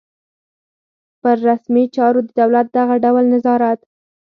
پر رسمي چارو د دولت دغه ډول نظارت.